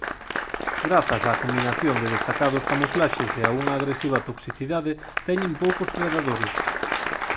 Grazas a combinación de destacados camuflaxes e a unha agresiva toxicidade teñen poucos predadores.